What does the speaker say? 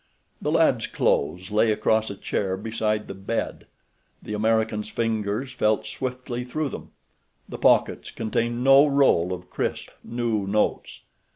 The lad's clothes lay across a chair beside the bed. The American's fingers felt swiftly through them—the pockets contained no roll of crisp, new notes.